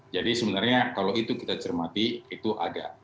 jadi sebenarnya kalau itu kita cermati itu ada